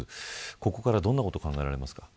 ここからどんなことが考えられますか。